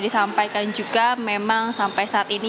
disampaikan juga memang sampai saat ini